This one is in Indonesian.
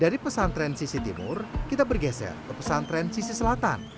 dari pesantren sisi timur kita bergeser ke pesantren sisi selatan